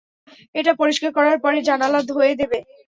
এটা পরিষ্কার করার পরে, জানালা ধোঁয়ে দিবি।